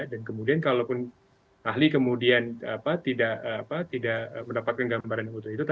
dan kemudian kalaupun ahli kemudian tidak mendapatkan gambaran yang utuh itu